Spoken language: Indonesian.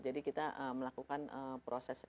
jadi kita melakukan proses